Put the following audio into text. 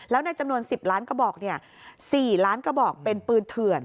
แล้วในจำนวน๑๐ล้านกระบอก๔ล้านกระบอกเป็นปืนเถื่อน